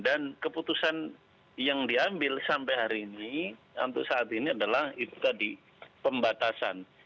dan keputusan yang diambil sampai hari ini untuk saat ini adalah itu tadi pembatasan